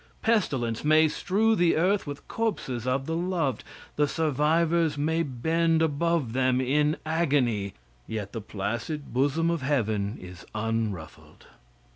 Pestilence may strew the earth with corpses of the loved; the survivors may bend above them in agony yet the placid bosom of heaven is unruffled.